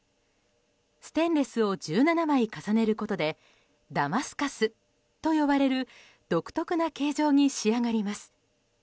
ステンレスを１７枚重ねることでダマスカスと呼ばれる独特な形状に仕上がります。